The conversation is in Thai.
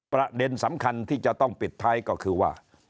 ประเด็นสำคัญที่จะต้องปิดท้ายก็คือว่า